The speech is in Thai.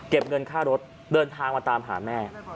เงินค่ารถเดินทางมาตามหาแม่